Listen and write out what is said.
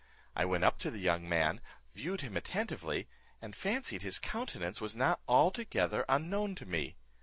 I went up to the young man, viewed him attentively, and fancied his countenance was not altogether unknown to me.